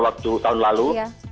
waktu tahun lalu